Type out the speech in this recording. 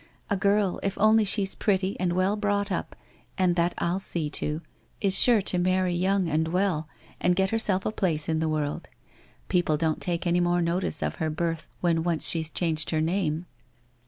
— a girl if only she's pretty and well brought up, and that I'll see to, is sure to marry young and well, and get herself a place in the world. People don't take any more notice of her birth when once she's changed her name